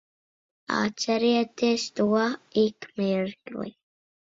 Atcerieties to ik mirkli.